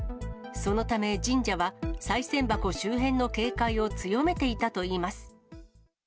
そのため、神社は、さい銭箱周辺の警戒を強めていたといいます。